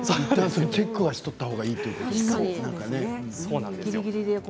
チェックはしといたほうがいいということですね。